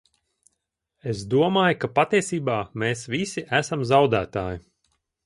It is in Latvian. Es domāju, ka patiesībā mēs visi esam zaudētāji.